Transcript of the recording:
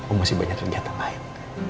om masih banyak kerjaan tambahin